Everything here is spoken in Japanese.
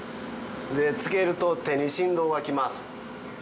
つけると手に振動がきます。